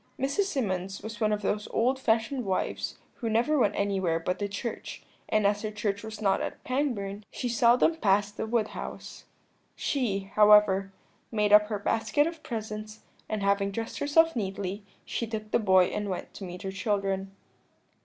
"Mrs. Symonds was one of those old fashioned wives who never went anywhere but to church, and as her church was not at Pangbourne she seldom passed the Wood House. She, however, made up her basket of presents, and having dressed herself neatly, she took the boy and went to meet her children.